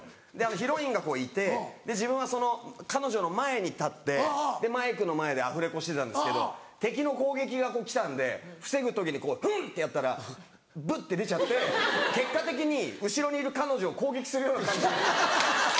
ヒロインがいて自分はその彼女の前に立ってマイクの前でアフレコしてたんですけど敵の攻撃が来たんで防ぐ時に「フン！」ってやったらブッて出ちゃって結果的に後ろにいる彼女を攻撃するような感じに。